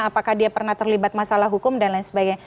apakah dia pernah terlibat masalah hukum dan lain sebagainya